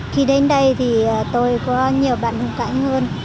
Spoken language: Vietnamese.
khi đến đây thì tôi có nhiều bạn cạnh hơn